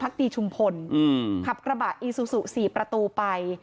พักตีชุมพลเออหลับกระบะอีซูสู๔ประตูไป